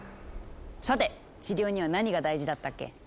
さて治療には何が大事だったっけ？